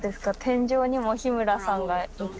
天井にも日村さんがいて。